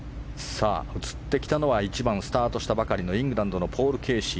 １番、スタートしたばかりのイングランドのポール・ケーシー。